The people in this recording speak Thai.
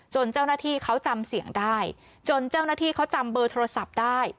เจ้าหน้าที่เขาจำเสียงได้จนเจ้าหน้าที่เขาจำเบอร์โทรศัพท์ได้